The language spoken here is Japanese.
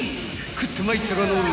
食ってまいったがのぉ］